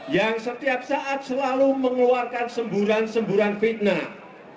yang setiap saat selalu mengeluarkan semburan semburan fitnah